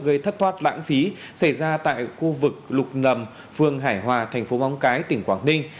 gây thất thoát lãng phí xảy ra tại khu vực lục phường hải hòa thành phố móng cái tỉnh quảng ninh